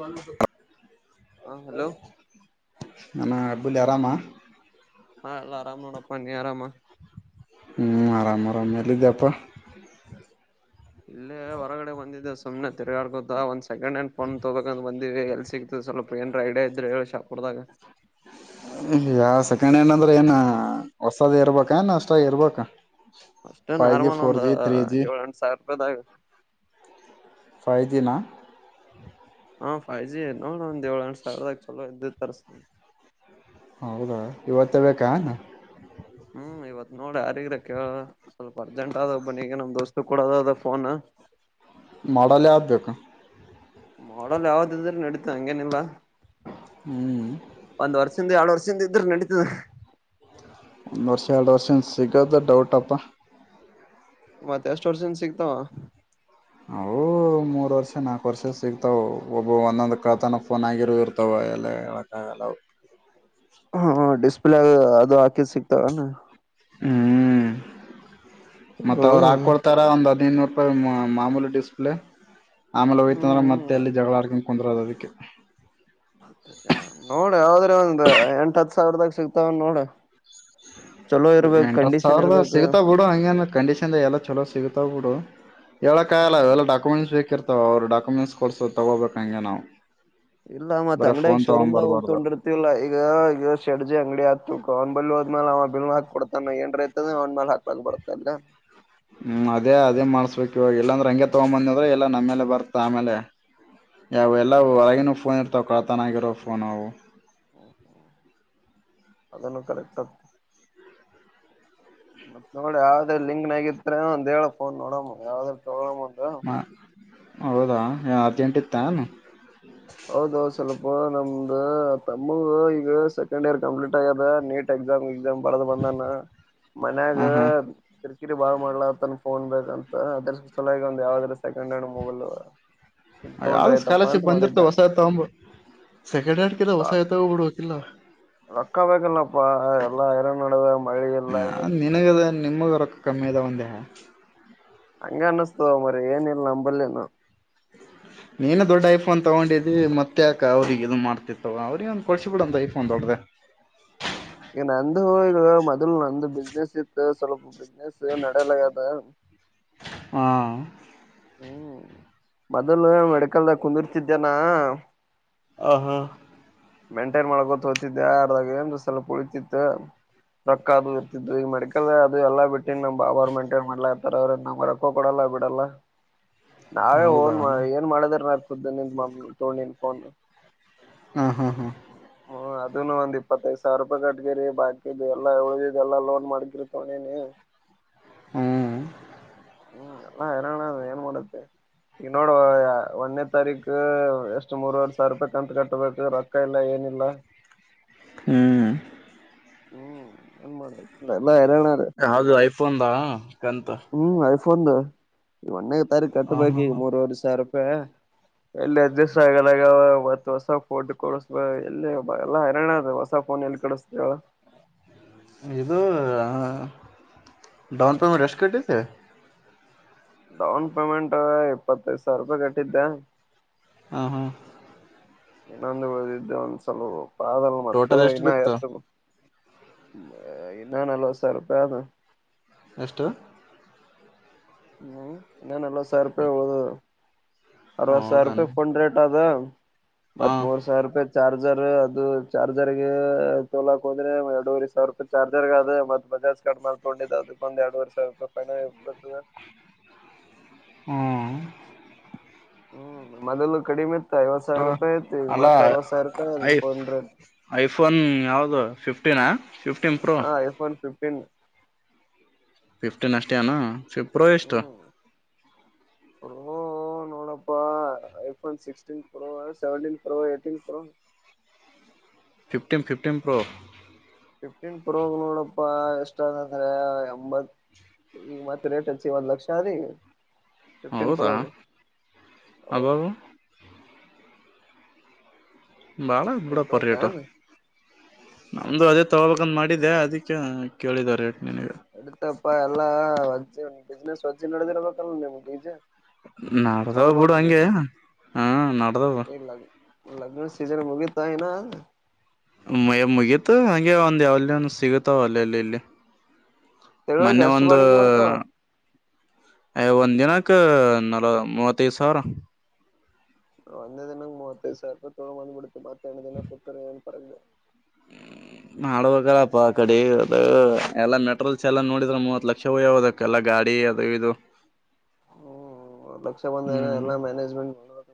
ವ [unintelligible] ಹಾ ಹಲೋ. [unintelligible] ಮಬಲೆ ಆರಾಮಾ. ಹಾ ಎಲ್ಲಾ ಆರಾಮ್ ನೋಡಪ್ಪ ನೀ ಆರಾಮ. ಹ್ಮ ಅರಾಮ್ ಅರಮ್ ಎಲ್ಲಿದ್ಯಪ್ಪಾ. ಇಲ್ಲೇ ಹೊರಗಡೆ ಬಂದಿದ್ದೆ ಸುಮ್ನೆ ತೆರಗಾಡ್ಕೋತ ಒಂದ್ಸ ಸೆಕೆಂಡ್ ಹ್ಯಾಂಡ್ ಫೋನ್ ತಗೋಬೇಕ್ ಅಂತ ಬಂದೀವಿ ಎಲ್ಲಿ ಸಿಗ್ತದೆ ಸ್ವಲ್ಪ ಏನಾರ ಐಡಿಯಾ ಇದ್ರೆ ಹೇಳು ಶಾಪುರದಾಗ. ಕೊಡ್ದಾಗ [unintelligible] ಯ ಸೆಕೆಂಡ್ ಹ್ಯಾಂಡ್ ಅಂದ್ರೆ ಏನ್ ಹೊಸದ ಇರ್ಬೇಕ ಏನ್ ಅಷ್ಟಾಗಿ ಇರ್ಬೇಕಾ. ಅಷ್ಟೇ ನಾರ್ಮಲ್ ಒಂದ ಏಳ ಎಂಟ್ ಸಾವಿರ ರೂಪಾಯದಾಗ. ಫೈ ಜಿ ನ. ಹು ಫೈ ಜಿ ನೋಡ ಒಂದ್ ಏಳ್ ಎಂಟ್ ಸಾವಿರದಾಗ ಚಲೋ ಇದ್ದಿದ್ ತರ್ಸು. ಹೌದಾ ಇವತ್ತೇ ಬೇಕಾ. ಹ್ಮ್ ಇವತ್ ನೋಡ ಯಾರಿಗಾರ ಕೆಳ ಸ್ವಲ್ಪ ಅರ್ಜೆಂಟ್ ಆದ ವಬ್ನಿಗೆ ನಮ್ ದೋಸ್ತ ಕೂಡದದ ಫೋನು. ಹ ಮಾಡೆಲ್ಲ್ ಯಾವ್ದ್ ಬೇಕು. ಮಾಡಲ್ ಯಾವ್ದ್ ಇದ್ರು ನಡೀತದ ಹಂಗೇನಿಲ್ಲ. ಹ್ಮ್ [unintelligible] ಎರಡು ವರ್ಷದಿಂದ ಇದ್ರೆ ನಡಿತದೆ. ಒಂದು ವರ್ಷ ಎರಡು ವರ್ಷಂದ ಸಿಗದೆ ಡೌಟಪ್ಪ. ಮತ್ತ್ ಎಷ್ಟ್ ವರ್ಷಂದ್ ಸಿಗ್ತವ. ಅವು [unintelligible] ಮೂರ್ ವರ್ಷ ನಾಲ್ಕು ವರ್ಷ ಸಿಗ್ತಾವ ಒಬ್ಬ ಒಂದೊಂದ್ ಕಳ್ಳತನ ಫೋನ್ ಆಗಿರು ಇರ್ತಾವ ಎಲ್ಲ ಹೇಳಕ್ಕ್ ಆಗಲ್ಲ ಅವು. ಹ ಹಂ ಡಿಸ್ಪ್ಲೇ ಅ ಅದು ಹಾಕಿದ್ ಸಿಕ್ತಾವೆನು. ಹ್ಮ್ ಮತ್ತ ಅವ್ರು ಓ ಹಾಕೊಡ್ತಾರ ಒಂದ್ ಹದಿನೈದುನೂರು ರೂಪಾಯಿ ಮಾಮೂಲಿ ಡಿಸ್ಪ್ಲೇ. ಆಮೇಲೆ ಹೋಯ್ತಂದ್ರೆ ಹ್ಮ್ ಮತ್ತೆ ಎಲ್ಲಿ ಜಗಳಾಡ್ಕೊಂಡ ಕುಂದ್ರದು ಅದುಕ್ಕೆ. ನೋಡು ಯಾವದ್ರು ಒಂದ್ ಎಂಟ್ ಹತ್ ಸಾವಿರದಾಗ ಸಿಗ್ತಾವೆನ್ ನೋಡು. ಹ ಎಂಟ್ ಹತ್ ಸಾವಿರದಾಗ ಸಿಗ್ತಾವ್ ಬಿಡು ಹಂಗೆನ ಕಂಡೀಷನ್ ದಾಗೆಲ್ಲ ಚಲೋ ಸಿಗ್ತಾವ ಬಿಡು. ಹೇಳಕಾಗಲ್ಲ ಎಲ್ಲ ಡಾಕ್ಯುಮೆಂಟ್ಸ್ ಬೇರ್ಕಿತಾವ ಅವ್ರ ಡಕುಮೆಂಟ್ಸ್ ಕೊಡ್ಸೋ ತಗೋಬೇಕಂಗೆ ನಾವು. ಇಲ್ಲ ಮತ್ ಬರೇ ಅಂಗಡೆಗ್ ಫೋನ್ ತಗೊಂಡ್ ಶೋರೂಮ್ದಾಗ್ ಹೋಗ್ ಬರ್ಬಾರ್ದು ತಗೊಂಡಿರ್ತಿವಲ್ಲ ಈಗ ಈಗ ಶೆಡ್ಜಿ ಅಂಗಡಿ ಆತು ಕನ್ ಬ ಅಮೆಲೆ ಅವ ಬಿಲ್ ಹಾಕ್ ಕೊಡತಾನ ಏನರೆ ಆಯ್ತು ಅಂದ್ರೆ ಅವನ ಮೇಲೆ ಹಾಕ್ಲಾಕ್ ಬರತಲ್ಲ. ಹ್ಮ್ ಅದೇ ಅದೇ ಮಾಡ್ಸ್ಬೇಕ್ ಇವಾಗ ಇಲ್ಲಾಂದ್ರೆ ಹಂಗೆ ತಗೊಂಡ್ ಬಂದ್ರೆ ಅಂದ್ರೆ ಇಲ್ಲ ನಮ್ಮೇಲೆ ಬರ್ತ್ತ ಆಮೇಲೆ. ಅದನ್ನು ಯಾವೆಲ್ಲವು ಹೊರಗಿನವು ಫೋನ್ ಇರ್ತಾವ ಕಳ್ತಾನಗಿರೋ ಫೋನ್ ಅವು. ಅದನ್ನು ಕರೆಕ್ಟ್ ಮತ್ ನೋಡ ಯಾವ್ದ್ರ ಲಿಂಕ್ ನಗಿತ್ ಒಂದ ಹೇಳ ಫೋನ್ ನೋಡಮ್ಮ ಯಾವ್ದ್ರ ತಗೋ ಹ ಹೌದಾ ಯಾವಾ ಹ್ಮ ಹೌದೌದು ಸ್ವಲ್ಪ ಒ ನಮ್ದು ತಮ್ಮವು ಈಗ ಸೆಕೆಂಡ್ ಇಯರ್ ಕಂಪ್ಲೀಟ್ ಆಗದ ನೀಟ್ ಎಕ್ಸಾಮ್ ಗಿಕ್ಸಾಮ್. ಬರದು ಬಂದಾನ ಮನ್ಯಾಗ. ಹಾ ಹಾ ಿರಿ ಬಾ [unintelligible] ಮಾಡಲತನ್ ಫೋನ್ ಬೇಕ ಅಂತ ಅದ್ರ ಸಲಾಗಿ ಒಂದ್ ಯಾವ್ದಾದ್ರ. Second hand mobile. ಯಾವ್ದ್ ಸ್ಕಾಲರ್ಶಿಪ್ ಬಂದಿರ್ತವ ಹೊಸದ್ ತಾಂಬುಡು, ಸೆಕೆಂಡ್ ಹ್ಯಾಂಡ್ ಗಿಂತ ಹೊಸದೇ ತಗೊಂಬುಡಕಿಲ್ಲ. ರೊಕ್ಕ ಬಲ್ಲಪ್ಪಾ ಎಲ್ಲಾ ಎರನ್ ನಡದ ಮಳೆ ಇಲ್ಲ ಹ ಏನಿಲ್ಲ ನಿನಗದ ನಿಮಗ ರೊಕ್ಕ ಕಮ್ಮಿ [unintelligible] ದ ಹಂದ ಹ ಹಂಗೆ ಅನ್ನುಸ್ತದ ಮರಯ ಏನ ಇಲ್ಲ ನಂಬಲ್ಲಿನು. ನೀನು ದೊಡ್ಡ ಐಫೋನ್ ತಗೊಂಡಿದ್ದಿ ಮತ್ತೆ ಯಾಕ ಅವ್ರಿಗೆ ಇದು ಮಾಡ್ತಿ ತಗೊ ಅವ್ರಿಗೆ ಒಂದು ಕೊಡ್ಸಿ ಬಿಡು ಒಂದು ಐಫೋನ್. [unintelligible] ಕೊದೆ [inaudible] ಈಗ ನಂದು ಈಗ ಮೊದಲು ನಂದು ಬಿಸ್ನೆಸ್ ಇತ್ತು ಸ್ವಲ್ಪ ಬಿಸಿನೆಸ್ ನೆಡೆಯಲಾಗದ ಹಾ ಹ್ಮ್ ಮೊದಲು ಮೆಡಕಲ್ದಾಗ ಕುಂದಿರ್ತಿದ್ದೇನ ಆಹಾ ಮೇಂಟೈನ್ ಮಾಡಿಕೊಂಡು ಹೋಗ್ತಿದ್ದೆ ಯಾರ್ದಾಗ ಏನಾರ ಸ್ವಲ್ಪ ಉಳಿತಿತ್ತು ರೊಕ್ಕ ಅದು ಇರ್ತಿದ್ ಈಗ ಮೆಡಿಕಲ್ ಅದು ಎಲ್ಲಾ ಬಿಟ್ಟಿನ ನಮ್ ಭಾವ ಅವ್ರು ಮೆಂಟೈನ್ ಮಾಡ್ಲಾತಾರೆ ಅವ್ರ ನಮ್ ರೊಕ್ಕ ಕೊಡಲ್ಲ ಬಿಡಲ್ಲ ನಾವೇ ಹೌದಾ ಓನ್ ಮಾಡ ಏನ್ ಮಾಡದ್ರ ಆಗ್ತಿತ್ತದೆ ತಕೊ ನೀನು ಫೋನ್ ಹಾ ಹಾ ಹಾ ಹ್ಮ ಅದನು ಒಂದ್ ಇಪ್ಪತ್ತೈದು ಸಾವಿರ ರೂಪಾಯಿ ಕಟ್ಟಿದೀರಿ ಬಾಕಿದು ಎಲ್ಲಾ ಉಳಿದು ಎಲ್ಲ ಲೋನ್ ಮಾಡ್ ಗಿಡ್ ಕೊಂಡಿದೀನಿ ಹ [inaudible] ಹ್ಮ್ ಹ್ಮ ಯಲ್ಲಾ ಯಾರಣ್ಣ ಏನ್ ಮಾಡಕಾಗುತ್ತೆ ಈಗ ನೋಡುವ ಒಂದನೇ ತಾರೀಕು ಎಷ್ಟು ಮೂರವರ್ ಸಾವಿರ ರೂಪಾಯಿ ಕಂತ್ ಕಟ್! ಕಟ್ ಬೇಕು ರೊಕ್ಕ ಇಲ್ಲ ಏನಿಲ್ಲ ಹ್ಮ್ ಹ್ಮ್ ಏನ್ ಮಾಡ್ದೆ ನನ್ನ ರಣ [unintelligible] ಅದ ತಕ್ಕೊಂಡ್ ಬಾ ಕಂತು ಫೋನ್ ದು ಒಂದ್ನೇ ತಾರೀಕು ಹ ಕಟ್ಟಬೇಕು ಹಾ ಈಗ ಮೂರವ ಸಾವಿರ ರೂಪಾಯಿ ಎಲ್ಲಿ ಅಡ್ಜಸ್ಟ್ ಆಗಲ್ಲಗತ್ ಹೊಸ ಫೋಡ್ ಕೊಡಬ ಎಲ್ಲಿ ಹರಣ [unintelligible] ಅದ ಹೊಸ ಫೋನ್ ಎಲ್ಲಿ ಕೊಡುಸದೆ ಹೇಳು ಇದು ಡೌನ್ ಪೇಮೆಂಟ್ ಎಷ್ಟು ಕಟ್ಟಿದೇ ಡೌನ್ ಪೇಮೆಂಟ್ ಇಪ್ಪತ್ತೈದು ಸಾವಿರ ರೂಪಾಯಿ ಕಟ್ಟಿದ್ದೆ ಹಾ ಹಾ ಇನ್ನೊಂದು ಬೆಳದಿದ್ದೆ ಒಂದ್ಸಲ ಪಾ ಆಗಲ್ಲಾ ಮತ್ತೆ ಟೋಟಲ್ ಇನ್ನ ಬಿತ್ತು ಎಷ್ಟು ಇನ್ನ ನಲವತ್ತು ಸಾವಿರ ರೂಪಾಯಿ ಅದೆ ಎಷ್ಟು ಹ್ಮ್ ಇನ್ನನ್ ನಲ್ವತ್ ಸಾವಿರ ರೂಪಾಯಿ ಹೋದು ಅರವತ್ತು ಸಾವಿರ ಹೌದಾನ ರೂಪಾಯಿ ಕೊಂಡ್ ರೇಟ್ ಅದ ಹ ಮತ್ ಮೂರು ಸಾವ್ ರುಪಾಯಿ ಚಾರ್ಜ ಸರ್ ಅದು ಚಾರ್ಜರ್ ಗೆ ತಗೋಳಕೆ ಹೋದ್ರೆ ಅಂದ್ರೆ ಎರಡೂರೆ ಸಾವಿರ ರೂಪಾಯಿ ಚಾರ್ಜರ್ ಅದ ಮತ್ತ ಬಜಾರ್! ಕಟ್ಮಾದ್ಕೊಂಡಿದ್ದೆ ಅದಕ್ಕ ಒಂದ ಎರಡುವರೆ ಸಾವಿರ ರೂಪಾಯಿ ಫೈ ಬರ್ತದೆ ಹ್ಮ್ ಹ್ಮ್ ಮೊದಲು ಕಡಿಮೆ ಇತ್ ಹ ಅಲ್ಲ ರೂಪಾಯಿ ಅದ ಫೋನ್ ರೇಟ್ ಐಫೋನ್ ಯಾವದು ಫಿಫ್ಟಿನಾ ಹಾ ಐಫೋನ್ ಫಿಫ್ಟೀನ್ ಫಿಫ್ಟಿನ್ ಅಷ್ಟೇನಾ ಪ್ರೊ ಎಷ್ಟು ಹೋ ನೋಡಪ್ಪ iPhone sixteen pro seventeen pro eighteen pro fifteen fifteen pro fifteen pro ನೋಡಪ್ಪಾ ಎಷ್ಟ ಅದೆ ಅಂದ್ರೆ ಎಂಭತ್! ಈಗ ಮತ್ತೆ ರೇಟ್ ಹಚ್ಚಿ ಒಂದ್ ಲಕ್ಷ ಅದೇ ಫಿಫ್ಟೀನ್ ಹೌದಾ ಪ್ರೋ ಅದು ಹೌದು ಅಬ್ಬಾಬಾ ಬಾಳ ಆಯ್ತ್ ಬಿಡಪ್ಪ ರೇಟ್ ಹೋತಾನ ನಂದು ಅದೇ ತಗೋಬೇಕಂದು ಮಾಡಿದೆೆ ಅದಕ್ಕೆ ಕೇಳಿದೆ ರೇಟ್ ನಿನಗೆ ಇರುತಪ್ಪ ಎಲ್ಲಾ ಬಿಸ್ನೆಸ್ ವಜ್ಜಿ ನಡೆದಿರ್ಬೇಕಲ್ ನಿಮ್ಗೆ ಈಜೆ ನಡ್ದವ ಬಿಡು ಹಂಗೆ ಹಾ ನಡ್ದವ ಇಲ್ಲ ಲಗ್ನ ಸೀಜನ್ ಮುಗಿತ ಏನಾ ಮುಗೀತ ಹಗೆ ಒಂದ್ ಯಾವನ್ ಸಿಗತಾವ ಅಲ್ಲಲ್ಲಿ ಇಲ್ಲಿ ತಿಂಗಳಿಗೆ ಮೊನ್ನೆ ಎಷ್ಟು ಒಂದು ಬಾಡಿಗೆ ಬರ್ತಾವ ಒಂದಂದಿನಕ್ಕೆ ನಲ ಮೂವತ್ತ ಐದು ಸಾವಿರ ಒಂದ ದಿನಕ್ಕೆ ಮೂವತ್ತ ಥೈದು ಸಾವಿರ ರೂಪಾಯ ತಗಂಬಂದು ಬಿತ ಬ ಎಣ ದಿನ ಕೊತರ ಏನ್ ಪರಕ್ [inaudible] ಮಾಡಾಡ್ಬೇಕಲ್ಲಪ್ಪಾ ಆ ಕಡೆ ಅದ ಎಲ್ಲಾ ಮೆಟರಿಯಲ್ಸ್ ಎಲ್ಲಾ ನೋಡಿದ್ರ ಮೂವತ್ ಲಕ್ಷ ಹೋಯ್ಯ ಹದಕ್ಕೆ ಎಲ್ಲ ಗಾ ಗಡಿಅದು ಇದು ಹ್ಮ್ ಲಕ್ಷ್ಯ ಬಂಧ ಹ್ಞೂ ಎಲ್ಲ ಮ್ಯನೆಜ್ಮೆಂಟ್ ಮಾಡ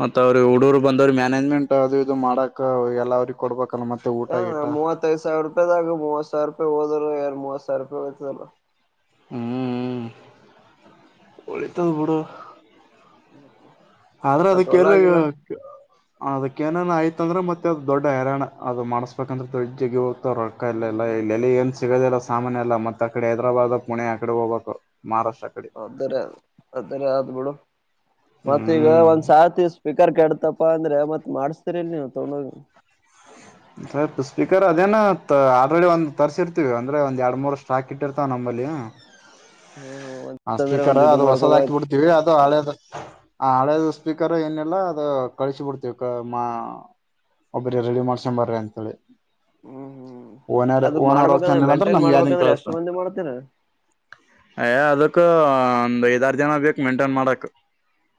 ಮತ್ತ ಅವ್ರರು ಹುಡೂರು ಬಂದವ್ರರು ಮ್ಯಾನೇಜ್ಮೆಂಟ್ ಅದು ಇದು ಮಾಡಕ್ ಎಲ್ಲ ಅವ್ರ ಕೊಡ್ಬೇಕಕ್ ಮೂವತ್ತೈದ ಸಾವಿರ ರೂಪಾಯದಾಗ ಮೂವತ್ ಸಾವಿರ ರೂಪಾಯಿ ಹೂದ್ರು ಯಾರ ಮೂವತ್ ಸಾವಿರ ರೂಪಾಯಿ ಯ್ತಲ್ಲ ಹ್ಮ್ ಹ್ಮ ವಲಿತ ಬಡೋ ಹತ್ತ ಆದ್ರೆ ಅದಕ್ಕೆಲ್ಲ ಅದಕ್ಕೆ ಆಯ್ತ ಅಂದ್ರ ಮತ್ತೆ ಅದು ದೊಡ್ಡಯರಾಣ ಅದು ಮಾಡ್ಸ್ಬೇಕ ಅಂದ್ರೆ ದೊಡ್ ಜಗೋಗ ರೊಕ್ಕ ಹ್ಮ್ ಇಲ್ಲಲ್ಲ ಹ್ಮ್ ಇಲ್ಲೆಲ್ಲಿ ಏನ್ ಸಿಗೋದಿಲ್ಲ ಸಾಮಾನನ್ ಎಲ್ಲ ಮತ್ತತ್ ಕಡೆ ಹೈದ್ರಾಬಾದ್ ಪುಣೆ ಆಕಡೆ ಹೋಗ್ಬೇಕು ಮಹಾರಾಷ್ಟ್ರ ಕಡೆ ಅದರ ಅದರ ಆದ್ ಬಿಡು ಮತ್ತ ಈಗ ಹ್ಮ್ ಒಂದ್ ಸಾತಿ ಸ್ಪಿಕರ್ ಕೆಡ್ತಪ್ಪಾ ಅಂದ್ರೆ ಮತ್ತತ್ ಮಾಡಿಸಸ್ತಿರಿಲ್ ನೀವು ತಗೊಂಡೋಗಿ ಸ್ಪೀಕರ್ ಅದೇನ ಆಲ್ರೆಡಿ ಒಂದ ತರ್ಸಿರ್ತೀವಿ ಅಂದ್ರೆ ಒಂದ್ ಎರಡ್ ಮೂರ್ ಸ್ಟಾಕ್ ಇಟ್ಟಿರ್ತವ ನಮ ಹ್ಮ್ ಹ್ಮ್ ಒಂತಂದ್ರೆ ಸ್ಪೀಕರ್ ಒಂದ್ ಇದು ಅದು ಹೊಸದ್ ಮಾಡ್ಕೋಬಾರ ಹಾಕಿ ಬಿಡ್ತೀವಿ ಅದು ಹಳೆದ ಆ ಹಳೇದ ಸ್ಪೀಕರ್ ಏನಿಲ್ಲ ಅದು ಕಳಿಸಿಿ ಬಿಿಡ್ತೇವಿ ಒಬ್ಬರ ರೆಡಿ ಮಾಡ್ [unintelligible] ಅಂತೇಳ ಹೇಳಿ ಹ್ಮ್ ಹ್ಮ್ ಓನರ್ ಅದಕ್ ಓನರ್ ಮಾಡ್ಬೇಕಂದ್ರೆ ಹೋಗ್ತಾನಂದ್ರ ಮೇಂಟೈನ್ ನಮ್ಗೆ ಯನ್ ಮಾಡ್ಬೇಕಂದ್ರೆ ಎಷ್ಟ್ ಕೇಳಸ್ತಾನ ಮಂದಿ ಮಾಡ್ತೀರ ಯ ಅದ ಒಂದ್ ಐದಾರು ಜನ ಬೇಕು ಮೇಂಟೈನ್ ಮಾಡಕ್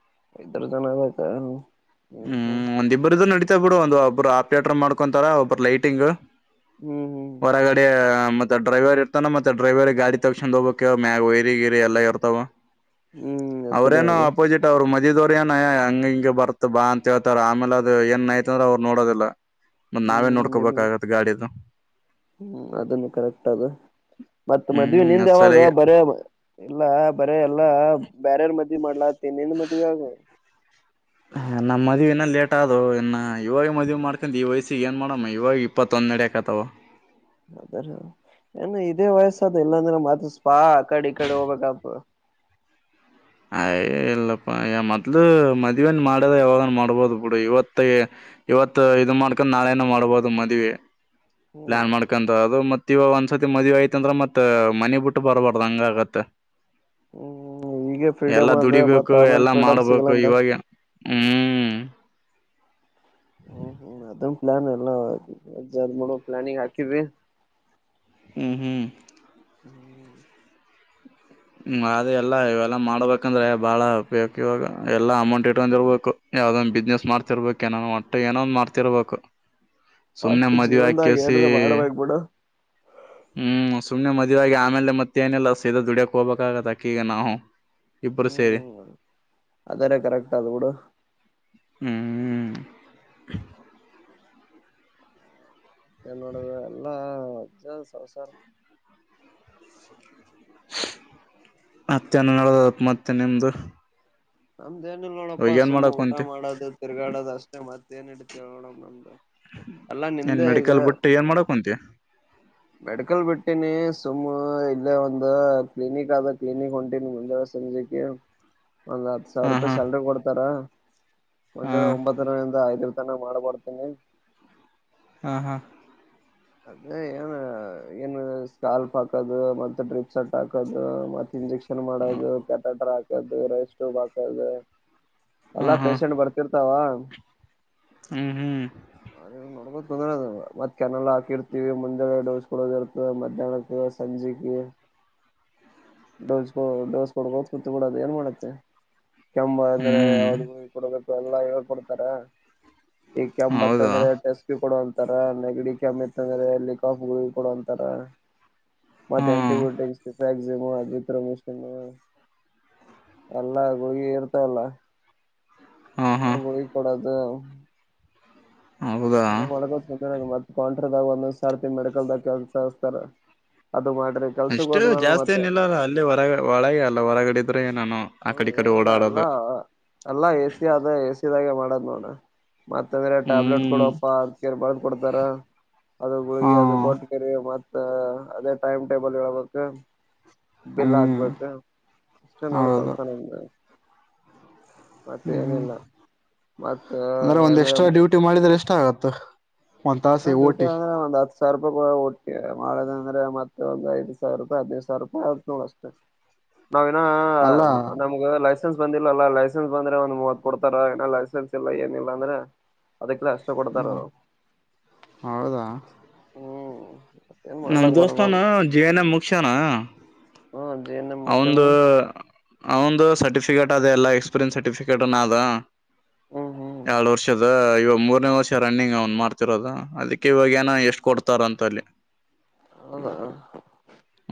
[unintelligible] ಹ್ಮ್ ಒಂದಿಬ್ಬರುದುು ನಡಿತಾ ಬಿಡು ಒಂದ್ ಒಬ್ಬರು ಆಪ್ರೇಟರ್ ಮಾಡ್ಕೊಂತಾರ ಒಬ್ಬ್ರ ಲೈಟಿಂಗ್ ಹ್ಮ್ ಹ್ಮ್ ಹೊರಗಡೆ ಮತ್ತೆ ಡ್ರೈವರ್ ಇರ್ತಾನ ಮತ್ತೆಡ್ರೈವರ್ ಗಾಡಿ ತಗಸೊಂಡ್ ಹೋಗ್ಬೇಕವ ಮ್ಯಾಗ ವೈರಿ ಗಿರಿ ಎಲ್ಲ ಇರ್ತವ ಹ್ಮ್ ಅತರ ಅವ್ರೇನು ಅದ ಅಪೋಸಿಟ್ ಅವ್ರು ಮಜೀದ್ವ್ರ ಏನಯ ಹಂಗ ಹಿಂಗ ಬರ್ತ ಬಾ ಅಂತ ಹೇಳ್ತಾರ ಆಮೇಲೆ ಅದು ಏನ್ ಯ್ತ ಅಂದ್ರ ಅವ್ರು ನೋಡೋದಿಲ್ಲ ಮತ್ತತ್ ನಾವೇ ಹ್ಮ್ ನೋಡ್ಕೋಬೇಕಾಗತ್ ಗಾಡಿದು ಹ್ಮ್ ಅದನ್ನು ಕರೆಕ್ಟ್ ಅದು ಮತ್ತ ಮದ್ವೆ ಹ್ಮ್ ನಿಂದ ಅದ್ ಯಾವಾಗ ಸಲಗೆ ಬರ ಎಲ್ಲ ಬರ ಎಲ್ಲ ಬ್ಯಾರರ್ ಮದ ಮಾಡಲತ್ತೆ ನಿಂದು ಮದುವೆ ಆಗ ನಮ್ಮ ಮದುವೆ ಇನ ಲೇಟ್ ಆದ ಅ ಇನ್ನು ಇವಾಗ ಮದುವೆ ಮಾಡ್ಕೊಂಡು ಈ ವಯಸ್ಸಿಗೆ ಏನು ಮಾಡಮ್ಮ ಇವಾಗ ಇಪ್ಪತ್ತೊಂದುೆಡಿ ಹಾಕತ್ತೆ ಹ ಹ ಬರ ಏನ್ ಇದೇ ವಯಸ್ಸ ಅದು ಇಲ್ಲಾಂದ್ರೆ ಮತ ಸ್ಪಾ ಆ ಕಡೆ ಈ ಕಡೆ ಹೋಗ್ಬೇಕಪ್ಪ ಅಯ ಇಲ್ಲಪ್ಪ ಮೊದ್ಲು ಮದ್ವೆನ್ ಮಾಡ್ಯದ ಯಾವಾಗನ್ ಮಾಡ್ಬೋದು ಬಿಡು ಇವತ್ತ ಇವತ್ ಇದ ಮಾಡ್ಕೊಂಡ್ ನಾಳೇನು ಮಾಡ್ಬೋದು ಮದ್ವೆ ಹ್ಮ್ ಲ್ಯಾಂಡ್ ಮಾಡ್ಕೊಂತ ಅದು ಮತ್ತ ಇವ ಒಂದ್ಸರ್ತಿ ಮದ್ವಿ ಆಯತ್ಂದ್ರ ಮತ್ ಮನಿ ಬಿಟ್ಟ ಬರ್ಬಾರ್ದ ಹಂಗ ಆಗತ್ತ ಹ್ಮ ಎಲ್ಲಾ ದುಡಿಬೇಕು ಎಲ್ಲಾ ಮಾಡ್ಬೇಕು ಸಿಗಲ್ಲ ಅಂದ ಇವಾಗ ಹ್ಮ್ ಹ್ಮ್ ಹ್ಮ ಅದನ್ ಪ್ಲಾನ್ ಎಲ್ಲ ಮೂ ಪ್ಲಾನಿಂಗ್ ಹಾಕಿದ್ವಿ ಹ್ಮ್ ಹ್ಮ್ ಹ್ಮ್ ಹ್ಮ್ ಅದ ಎಲ್ಲಾ ಇವೆಲ್ಲಾ ಮಾಡ್ಬೇಕಂದ್ರೆ ಬಾಳ ಉಪಯೋಗಿ ಇವಾಗ ಎಲ್ಲಾ ಅಮೌಂಟ್ ಇಟ್ಕೊಂಡಿರ್ಬೇಕು ಯಾವದೊ ಬಿಸ್ನೆಸ್ ಮಾಡ್ತಿರ್ಬೇಕು ಏನ ಒಟ್ಟೆ ಏನೋಂದ್ ಮಾಡ್ತಿರ್ಬೇಕು ಸುಮನೆ ಒಟ್ ಮದ್ವೆ ಆ ಕೆ ಜೀವನ್ದಾಗ ಸಿ ಏನ್ರ ಮಾಡ್ಬೇಕ್ ಬಿಡು ಹ್ಮ್ ಸುಮ್ನೆ ಮದ್ವೆ ಆಗಿ ಆಮೇಲೆ ಮತ್ತೆ ಏನೆಲ್ಲ ಸಿದ ದುಡಿಯಕ್ ಹೋಗ್ಬೇಕ್ ಆಗತ್ ಅಕೀಗ ನಾವು ಇಬ್ರು ಸೇರಿ- ಹ್ಮ್ ಅದರ ಕರೆಕ್ಟ್ ಅದ್ ಬಿಡು ಹ್ಮ್ [inaudible] ಮತ್ತೆ ನೋಡದು ಎಲ್ಲಾ ಅಜ್ಜಸಾರ್ [unintelligible] ಮತ್ತೇನ್ ಹೇಳದು ಮತ್ತೆ ನಿಮ್ದು ನಮ್ದ್ ಏನ ಇಲ್ ಇವಾಗ ನೋಡಪ್ಪಾ ಏನ್ ಸುಮ್ಮ್ ಮಾಡಕ್ ಊಟ ಕುಂತಿ ಮಾಡೋದು ತಿರ್ಗಾಡದ ಅಷ್ಟೇ ಮತ್ತ ಏನ್ ಇರುತ್ ನೋಡ ನಮ್ದು ಅಲ್ಲಾ ಏನ್ ನಿಮ್ದೇ ಈಗ ಮೆಡಿಕಲ್ ಬಿಟ್ಟು ಏನ್ ಮಾಡಕ್ ಕುಂತಿ ಮೆಡಿಕಲ್ ಬಿಟ್ಟೀನಿ ಸುಮ್ ಇಲ್ಲೇ ಒಂದ ಕ್ಲಿನಿಕ್ ಆದ ಕ್ಲಿನಿಕ್ ಹೊಂಟೀನಿ ಮುಂದೆಸ ಒಂದ್ ಹತ್ತು ಸಾವಿರ ಹಾ ಹಾ ರೂಪಾಯಿ ಸ್ಯಾಲ್ರಿ ಕೊಡ್ತಾರ ಹಾ ಮುಂಜಾನೆ ಒಂಬತ್ತರಿಂದ ಐದರ ತನ ಮಾಡಬರ್ತೆನಿ ಹಾ ಹಾ ಅದೇ ಏನ್ ಏನು ಸ್ಕಾಲ್ಪ್ ಹಾಕೋದು ಮತ್ತೆ ಡ್ರಿಪ್ ಸಟ್ ಹಾಕೋದು ಮತ್ತ ಇಂಜೆಕ್ಷನ್ ಮಾಡೋದು ಪ್ಯಾಟಟರ್ ಹಾಕದು ರೈಸ್ಟ್ಯೂಬ್ ಹಾಕೋದು ಹಾ ಅಲ್ಲಾ ಹಾ ಪೇಶೆಂಟ್ ಬರ್ತಿರ್ತಾವ ಹ್ಮ್ ಹ್ಮ್ ಅದ [unintelligible] ತೊಂದ್ರ ಮತ್ ಕೆನಲ್ ಹಾಕಿರ್ತಿೀವಿ ಮುಂದೆ ಡೋಸ್ ಕೊಡೋದ ಇರ್ತ ಮಧ್ಯಾಹ್ನಕ್ಕೆ ಸಂಜೆಕ ಡೋಸ್ ಕೊ ಡೋಸ್ ಕೊಡ್ಬೋದು ಕುರ್ತಿ ಕೊಡದು ಏನ್ ಮಾಡತ್ತೆ ಕೆಮ್ ಬಂದ್ರೆ ಹ್ಮ್ ಯಾವ್ದ ಕೊಡ್ಬೇಕು ಎಲ್ಲ ಹೇಳ್ಕೊಡ್ತಾರ ಈ ಕೆಮ್ ಹೌದಾ ಇಂದ್ರೆ ಟೇಸ್ಟಿಗ್ ಕೊಡ ಅಂತರ ನೆಗಡಿ ಕೆಮ್ ಇತ್ತಂದ್ರೆ ಲಿ ಕಾಫ್ ಗುಳ್ಗೆ ಕೊಡು ಅಂತಾರ ಮತ್ತೆ ಅಂಟಿ ಹ್ಮ್ ಬಯೋಟಿಕ್ಸ್ [unintelligible] ಅಲ್ಲ ಗುಳಗಿ ಇರ್ತವಲ್ಲ ಹಾ ಹಾ ಗುಳಗಿ ಕೊಡೋದು ಹೌದಾ ಅದಗ ಕೌಂಟ್ರದಾಗ ಒಂದೊಂದ್ ಸರ್ತಿ ಮೆಡಿಕಲ್ದಾಗ ಕೆಲ್ಸತಾರ [unintelligible] ಅಷ್ಟು ಜಾಸ್ತಿ ಏನಿಲ್ಲಲ್ಲ ಅಲ್ಲಿ ಹೊರಗ ಒಳಗೆ ಅಲ್ಲ ಹೊರಗಡಿದ್ರೆ ನಾನು ಆ ಹ್ಮ ಕಡೆ ಈ ಕಡೆ ಏನಿಲ್ಲ ಓಡಾಡೋದು ಎಲ್ಲಾ ಎಲ್ಲಾ ಎಸಿ ಆದ ಎಸಿದಾಗೆ ಮಾಡದ್ ನೋಡ ಮತ್ತ ಅಂದ್ರೆ ಟ್ಯಾಬ್ಲೆಟ್ ಹ್ಮ್ ಕೊಡಪ್ಪಾ ಅ ಕೇರ್ ಬದ್ ಕೊಡ್ತಾರ ಅದು ಹಾ ಗುಳಗಿ ಅದು ಕೊಟ್ ಕರಿ ಮತ್ತ ಅದೇ ಟೈಮ್ ಟೇಬಲ್ ಹೇಳ್ಬೇಕ ಬಿಲ್ ಹ್ಮ್ ಹಾಕ್ಬೇಕ ಅಷ್ಟೇ ನೋಡ್ ಹೌದು ಕೆಲ್ಸ ಹ್ಮ್ ಹ್ಮ್ ಮತ್ತೆನಿಲ್ಲ ಮತ್ತ ಅಂದ್ರೆ ಒಂದ್ ಅದೆ ಎಕ್ಸ್ಟ್ರಾ ಊಟ ಡ್ಯೂಟಿ ಮಾಡಿದ್ರೆ ಎಷ್ಟ ಆಗತ್ತ ಒಂದ್ ತಾಸಿ ಹಡ್ಯೂಟಿ ಓಟಿ ಅಂಗ ಬಂದ [unintelligible] ಸಾವಿರ ರೂಪಾಯಿ ಒಳ ಒಟ್ಟೆ ಅಂದ್ರೆ ಮತ್ತೆ ಒ ಐ ಸಾವರ ರೂಪಾಯಿ ಹದಿನೈದ್ ಸಾವರೂಪಾಯಿ ಆಗುತ್ ನೋಡು ಅಷ್ಟೆ ನಾವನ ಅಲ್ಲ ನಮ್ಗ ಲೈ ಲೈಸೆನ್ಸ್ ಬಂದಿಲ್ಲಲ್ಲ ಲೈಸೆನ್ಸ್ ಬಂದ್ರೆ ಒಂದ್ ಮೂವತ್ ಕೊಡ್ತಾರ ಏನ ಲೈಸನ್ಸ್ ಇಲ್ಲ ಏನಿಲ್ಲ ಅಂದ್ರೆ ಅದಕ್ಕೆಲ್ಲ ಅಷ್ಟ ಕೊಡ್ತಾರ್ ಅವ್ರು ಹೌದಾ ಹ್ಮ್ ಮತ್ತೇನ್ ನಮ ಮಾಡ್ಲಕ್ ದೋಸ್ತಾನ ಬರಲ್ಲಲ್ಲ ಜೆ ಎನ್ ಎ ಮುಕ್ಸ್ಯನ ಹ್ಮ ಜೆ ಎನ್ ಎಂ ಮುಗಸನ ಅವನ್ದು ಅವನ್ದು ಸರ್ಟಿಫಿಕೇಟ್ ಅದೆೇ ಎಲ್ಲ ಎಕ್ಸ್ಪೀರಿಯನ್ಸ್ ಸರ್ಟಿಫಿಕೇಟ್ನ ಅದು ಹ್ಮ್ ಹ್ಮ್ ಏಳ ವರ್ಷದ ಇವಾಗ ಮೂರನೇ ವರ್ಷ ರನ್ನಿಂಗ್ ಅವನ್ ಮಾಡ್ತಿರೋದ ಅದಕ್ಕೆ ಇವಾಗ ಏನೋ ಎಷ್ಟ್ ಕೊಡ್ತಾರ ಅಂತ ಅಲ್ಲಿ ಹದ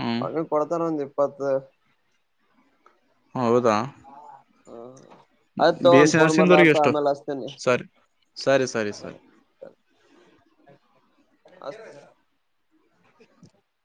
ಹ್ಮ್ ಅವನ್ಗೆ ಕೊಡ್ತಾರೆ ಒಂದು ಇಪ್ಪತ್ತು ಹೌದಾ ಹ ಆಯ್ತಗ ಬಿ ಎಸ್ ಒಂದು ಸಿ ಫೋನ್ ಮರ್ಲ ನರ್ಸಿಂಗ್ದವ್ರಿಗೆ ಆತ ಎಷ್ಟು ಆಮೇಲೆ ಅಸ್ತೇನೆ ಸಾರಿ ಸರಿ ಸರಿ ಸರಿ ಅ